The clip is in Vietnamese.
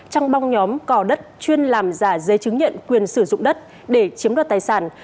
trong băng nhóm cò đất chuyên làm giả giấy chứng nhận quyền sử dụng đất để chiếm đoạt tài sản